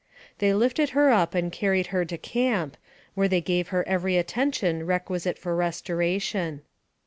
They lifted her up and carried her to camp, where they gave her every attention requisite for restoration.